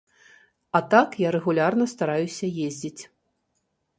А так, я рэгулярна стараюся ездзіць.